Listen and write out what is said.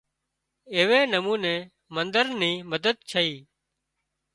ايوي نموني منۮر ني مدد ڇئي